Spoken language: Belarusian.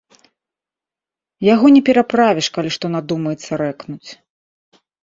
Яго не пераправіш, калі што надумаецца рэкнуць.